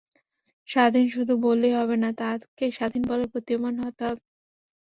স্বাধীন শুধু বললেই হবে না, তাকে স্বাধীন বলে প্রতীয়মান হতে হবে।